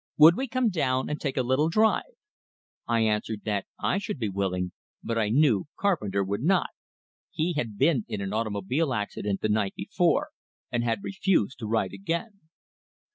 Would we come down and take a little drive? I answered that I should be willing, but I knew Carpenter would not he had been in an automobile accident the night before, and had refused to ride again.